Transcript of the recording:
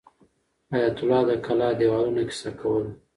حیات الله د کلا د دیوالونو کیسه کوله.